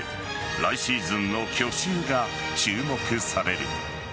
来シーズンの去就が注目される。